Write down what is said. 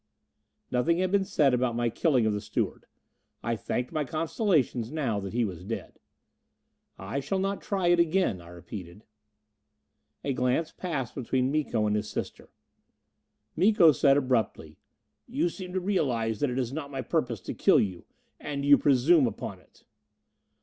Nothing had been said about my killing of the steward. I thanked my constellations now that he was dead. "I shall not try it again," I repeated. A glance passed between Miko and his sister. Miko said abruptly, "You seem to realize that it is not my purpose to kill you. And you presume upon it."